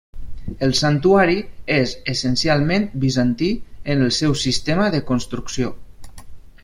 El santuari és essencialment bizantí en el seu sistema de construcció.